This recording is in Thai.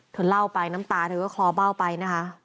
เธอเล่าไปน้ำตาเธอก็คลอเบ้าไปนะคะ